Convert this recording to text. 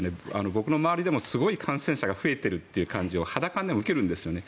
僕の周りでも、すごい感染者が増えているという感じを肌感でも受けるんですよね。